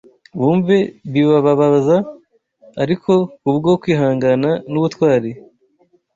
bumve bibababaza. Ariko kubwo kwihangana n’ubutwari,